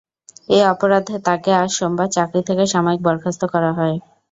এ অপরাধে তাঁকে আজ সোমবার চাকরি থেকে সাময়িক বরখাস্ত করা হয়।